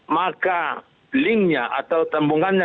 maka linknya atau tambungannya